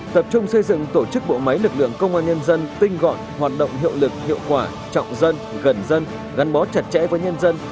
tập trung xây dựng tổ chức bộ máy lực lượng công an nhân dân tinh gọn hoạt động hiệu lực hiệu quả trọng dân gần dân gắn bó chặt chẽ với nhân dân